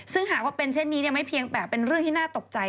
ซึ่งหากว่าเป็นเช่นนี้ไม่เพียงแต่เป็นเรื่องที่น่าตกใจ